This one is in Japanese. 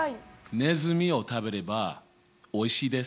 「ネズミを食べればおいしいです」。